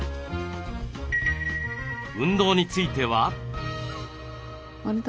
運動については？